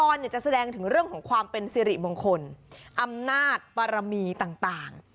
ตอนเนี่ยจะแสดงถึงเรื่องของความเป็นสิริมงคลอำนาจปรมีต่างต่าง